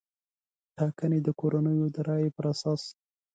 ټاګنې د کورنیو د رایې پر اساس